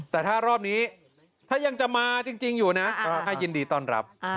แต่ถ้ารอบนี้ถ้ายังจะมาจริงอยู่นะยินดีต้อนรับ